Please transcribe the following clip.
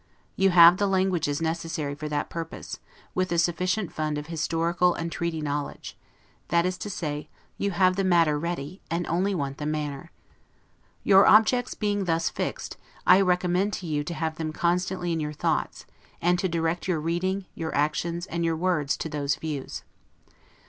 You have the languages necessary for that purpose, with a sufficient fund of historical and treaty knowledge; that is to say, you have the matter ready, and only want the manner. Your objects being thus fixed, I recommend to you to have them constantly in your thoughts, and to direct your reading, your actions, and your words, to those views.